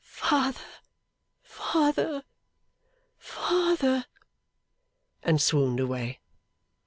Father! Father!' and swooned away.